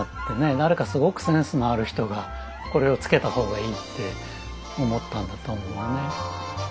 誰かすごくセンスのある人がこれをつけた方がいいって思ったんだと思うのね。